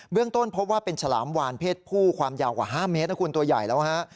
เรื่องต้นพบว่าเป็นฉลามวานเพศผู้ความยาวกว่า๕เมตรนะคุณตัวใหญ่แล้วฮะ